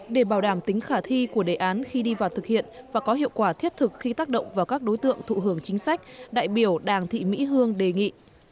để bảo đảm tính khả thi của đề án khi đi vào thực hiện và có hiệu quả thiết thực khi tác động vào các đối tượng thụ hưởng chính sách đại biểu đàng thị mỹ hương đề nghị